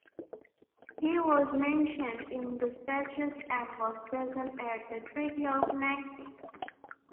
He was mentioned in despatches and was present at the Treaty of Nanking.